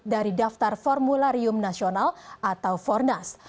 dari daftar formularium nasional atau fornas